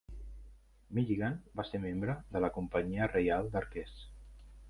Milligan va ser membre de la Companyia Reial d'Arquers.